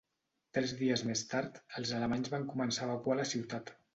Tres dies més tard, els alemanys van començar a evacuar la ciutat.